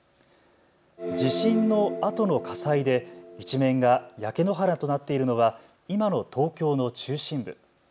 地震のあとの火災で一面が焼け野原となっているのは今の東京の中心部。